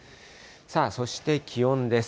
そして気温です。